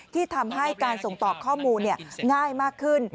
ที่ทำให้การส่งต่อข้อมูลง่ายมากขึ้น